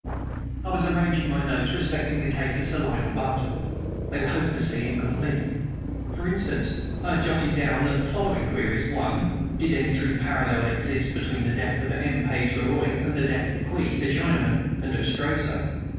I was arranging my notes respecting the case of Sir Lionel Barton. They were hopelessly incomplete. For instance, I had jotted down the following queries: (1) Did any true parallel exist between the death of M. Page le Roi and the death of Kwee, the Chinaman, and of Strozza?